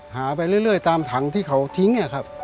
หาไปเรื่อยตามถังที่เขาทิ้ง